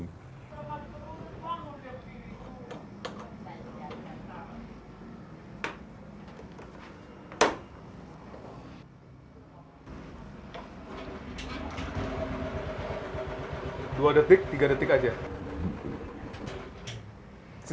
dua detik tiga detik aja